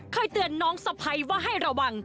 เคยเตือนน้องสะพ้ายว่าให้ระวัง